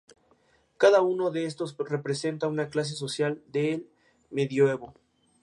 Cada uno de estos representa una clase social del Medioevo.